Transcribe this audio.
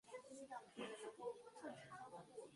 凹函数的情况也类似。